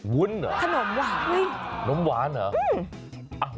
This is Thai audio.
วุ้นเหรอน้ำหวานเหรอ